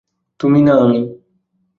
তুমি না আমি?